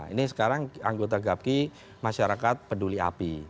ini sekarang anggota gapki masyarakat peduli api